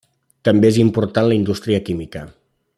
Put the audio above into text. També és important la indústria química.